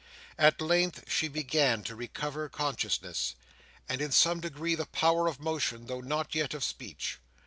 At length she began to recover consciousness, and in some degree the power of motion, though not yet of speech.